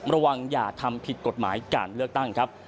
ระวังอย่าทำผิดกฎหมายการเลือกตั้งครับ